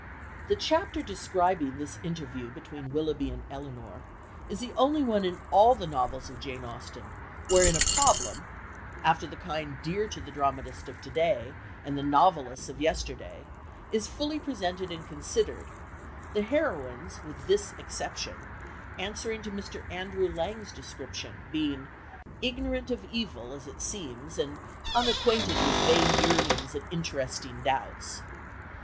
The chapter describing this interview between Willoughby and Elinor is the only one in all the novels of Jane Austen wherein a "problem," after the kind dear to the dramatist of to day and the novelists of yesterday, is fully presented and considered, the heroines, with this exception, answering to Mr. Andrew Lang's description, being "ignorant of evil, as it seems, and unacquainted with vain yearnings and interesting doubts."